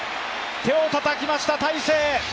手をたたきました、大勢。